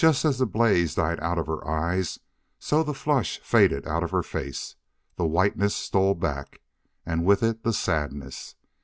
Just as the blaze had died out of her eyes, so the flush faded out of her face. The whiteness stole back, and with it the sadness.